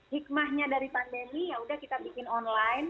hikmahnya dari pandemi ya udah kita bikin online